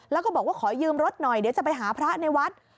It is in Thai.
แล้วก็บอกว่าขอยืมรถหน่อยเดี๋ยวจะไปหาพระในวัด